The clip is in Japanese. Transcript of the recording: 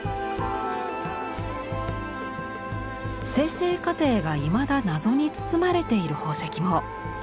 生成過程がいまだ謎に包まれている宝石も。